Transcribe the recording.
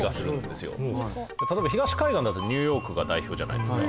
例えば東海岸だとニューヨークが代表じゃないですか。